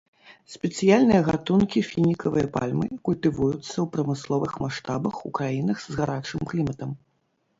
Спецыяльныя гатункі фінікавай пальмы культывуюцца ў прамысловых маштабах ў краінах з гарачым кліматам.